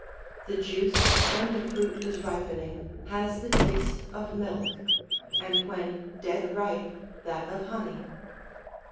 The juice, when the fruit is ripening, has the taste of milk, and when dead ripe, that of honey.